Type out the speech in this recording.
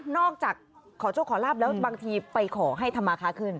จากขอโชคขอลาบแล้วบางทีไปขอให้ธรรมาคาขึ้น